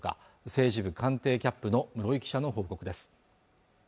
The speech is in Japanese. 政治部官邸キャップの室井記者の報告です